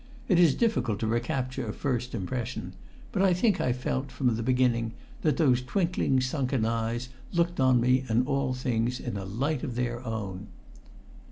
It is difficult to recapture a first impression; but I think I felt, from the beginning, that those twinkling, sunken eyes looked on me and all things in a light of their own.